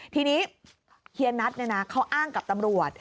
ทีนี้เฮียนัทเขาอ้างกับตำรวจ